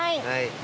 はい。